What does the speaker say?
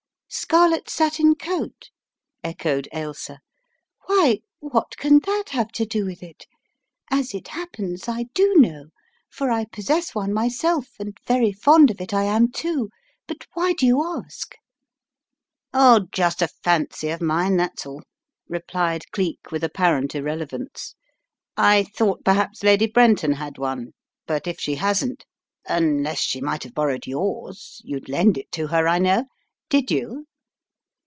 "Scarlet satin coat?" echoed Ailsa. "Why, what can that have to do with it? As it happens, I do know, for I possess one myself and very fond of it I am, too. But why do you ask? " "Oh, just a fancy of mine, that's all," replied Cleek with apparent irrelevance. "I thought per haps Lady Brenton had one, but if she hasn't — unless she might have borrowed yours, you'd lend it to her I know. Did you?"